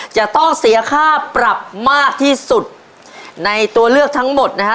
จะต้องเสียค่าปรับมากที่สุดในตัวเลือกทั้งหมดนะฮะ